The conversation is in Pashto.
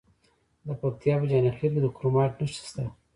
د پکتیا په جاني خیل کې د کرومایټ نښې شته.